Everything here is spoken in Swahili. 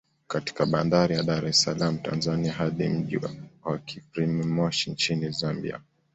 Katika bandari ya Dar es salaam Tanzania hadi mji wa Kapirimposhi Nchini Zambia